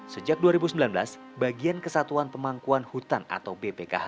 sejak dua ribu sembilan belas bagian kesatuan pemangkuan hutan atau bpkh